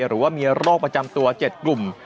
หรือว่ามีโรคประจำตัว๗กลุ่ม